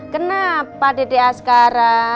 kenapa dede askara